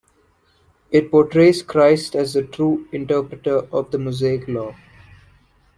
It portrays Christ as the true interpreter of the Mosaic Law.